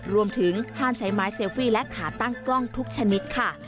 รวมถึงห้ามใช้ไม้เซลฟี่และขาตั้งกล้องทุกชนิดค่ะ